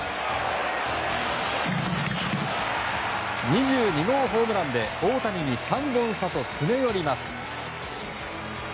２２号ホームランで大谷に３本差と詰め寄ります。